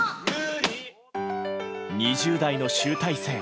２０代の集大成。